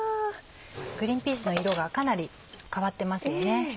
グリンピースの色がかなり変わってますよね。